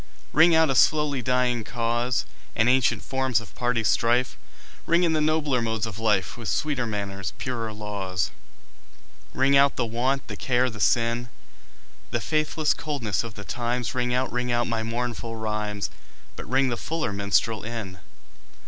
Ring out a slowly dying cause, And ancient forms of party strife; Ring in the nobler modes of life, With sweeter manners, purer laws. Ring out the want, the care the sin, The faithless coldness of the times; Ring out, ring out my mournful rhymes, But ring the fuller minstrel in.